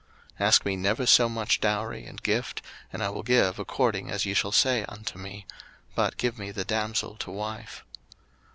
01:034:012 Ask me never so much dowry and gift, and I will give according as ye shall say unto me: but give me the damsel to wife.